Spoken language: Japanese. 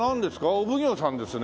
お奉行さんですね。